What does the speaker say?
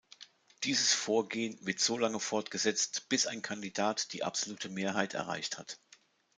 Dieses Vorgehen wird solange fortgesetzt, bis ein Kandidat die absolute Mehrheit erreicht hat.